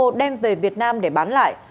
một đêm về việt nam để bán lại